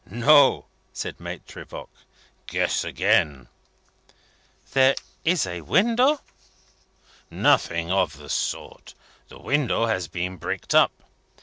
"No," said Maitre Voigt. "Guess again." "There is a window?" "Nothing of the sort. The window has been bricked up.